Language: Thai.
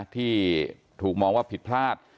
ที่ถูกมองว่าผิดพลาด